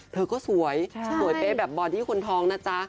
เธอก็สวยสวยเป้แบบบอดี้คนท้องนะจ๊ะ